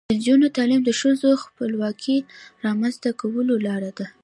د نجونو تعلیم د ښځو خپلواکۍ رامنځته کولو لاره ده.